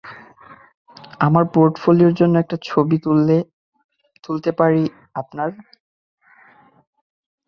আমার পোর্টফোলিওর জন্য একটা ছবি তুলতে পারি আপনার?